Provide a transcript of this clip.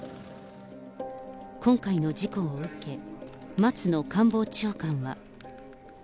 今回の事故を受け、松野官房長官は。